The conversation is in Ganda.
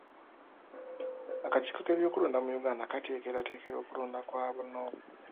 Akakiiko k'ebyokulonda mu Uganda kateekerateekera okulonda kwa bonna okujja.